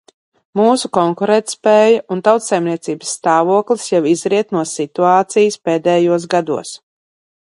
Mūsu konkurētspēja un tautsaimniecības stāvoklis jau izriet no situācijas pēdējos gados.